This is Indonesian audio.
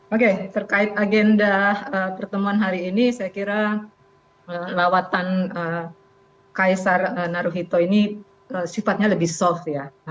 oke terkait agenda pertemuan hari ini saya kira lawatan kaisar naruhito ini sifatnya lebih soft ya